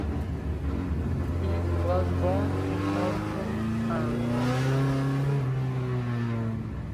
He was born in Norton and raised in Clintwood.